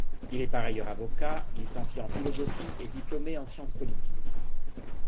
Il est par ailleurs avocat, licencié en philosophie et diplômé en sciences politiques.